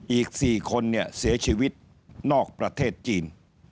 อีก๔คนเนี่ยเสียชีวิตนอกประเทศจีน